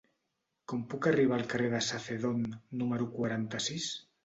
Com puc arribar al carrer de Sacedón número quaranta-sis?